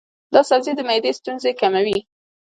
دا سبزی د معدې ستونزې کموي.